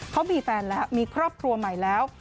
เขามีแฟนแล้วมีครอบครัวใหม่แล้ว